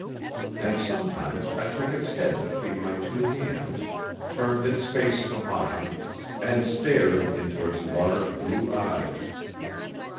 And sometimes I took its head between my two hands, turned its face to mine, and stared into its large blue eyes.